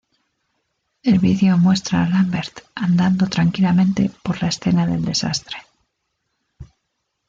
El video muestra a Lambert andando tranquilamente por la escena del desastre.